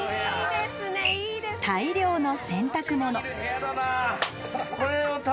［大量の洗濯物］